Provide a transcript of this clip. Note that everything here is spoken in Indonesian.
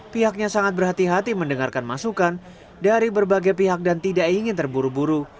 pihaknya sangat berhati hati mendengarkan masukan dari berbagai pihak dan tidak ingin terburu buru